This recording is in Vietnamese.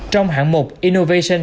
trong hạng mục innovation